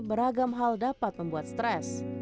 beragam hal dapat membuat stres